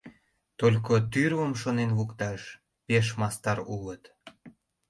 Только тӱрлым шонен лукташ пеш мастар улыт.